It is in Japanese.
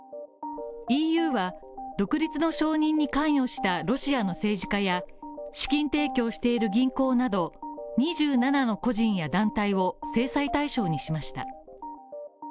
ＥＵは独立の承認に関与したロシアの政治家や資金提供をしている銀行など２７の銀行や個人を制裁対象にしました。